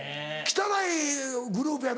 汚いグループ？